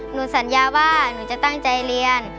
สัญญาว่าหนูจะตั้งใจเรียน